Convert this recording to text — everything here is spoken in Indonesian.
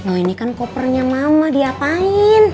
oh ini kan kopernya mama diapain